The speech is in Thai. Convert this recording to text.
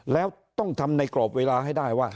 แล้วต้องทำในกรอบเวลาให้ได้ว่า